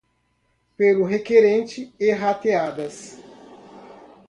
pelo requerente e rateadas